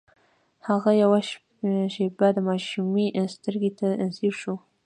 هغه يوه شېبه د ماشومې سترګو ته ځير شو.